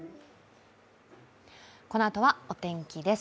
このあとはお天気です。